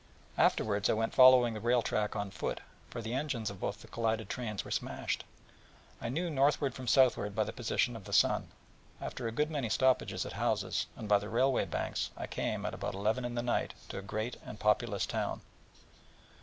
Afterwards I went following the rail track on foot, for the engines of both the collided trains were smashed. I knew northward from southward by the position of the sun: and after a good many stoppages at houses, and by railway banks, I came, at about eleven in the night, to a great and populous town.